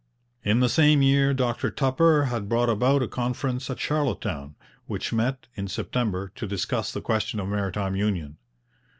In the same year Dr Tupper had brought about a conference at Charlottetown, which met in September to discuss the question of Maritime Union.